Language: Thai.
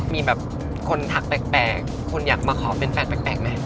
มีแบบคนทักแปลกคนอยากมาขอเป็นแฟนแปลกไหม